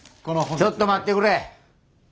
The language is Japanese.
ちょっと待ってくれ。